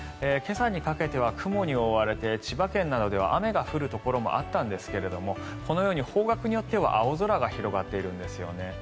今朝にかけては雲に覆われて千葉県などでは雨が降るところもあったんですがこのように方角によっては青空も広がっているんですね。